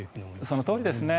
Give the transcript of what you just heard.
そのとおりですね。